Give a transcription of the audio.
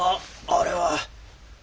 あれは。